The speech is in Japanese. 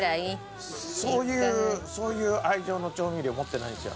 そういう愛情の調味料持ってないんですよ